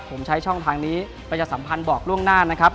ผมใช้ช่องทางนี้ประชาสัมพันธ์บอกล่วงหน้านะครับ